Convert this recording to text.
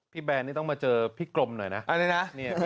พี่แบรนด์นี่ต้องมาเจอพี่กลมหน่อยนะ